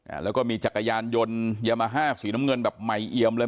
อ่าแล้วก็มีจักรยานยนต์ยามาฮ่าสีน้ำเงินแบบใหม่เอียมเลย